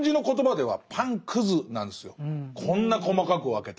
こんな細かく分けたら。